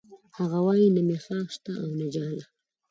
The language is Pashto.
هغه وایی نه مې خاښ شته او نه ځاله